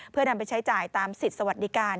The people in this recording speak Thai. เพื่อนำไปใช้จ่ายตามสิทธิ์สวัสดิการ